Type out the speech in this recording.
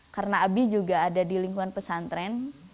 karena abi juga ada di lingkungan pesantren